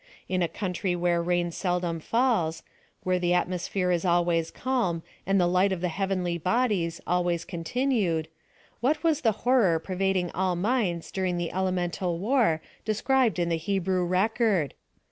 In a country where rain seldom falls — where the atmosphere is always calm, and the light of the heavenly bodies always continued, what was the horror pervading all minds during the elemental war described in the Hebrew record